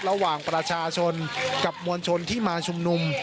ระหว่างประชาชนกับมวลชนที่มาชุมนุม